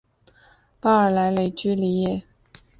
巴尔莱雷居利耶。